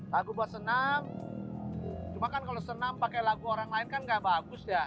lagu buat senam cuma kan kalau senam pakai lagu orang lain kan gak bagus ya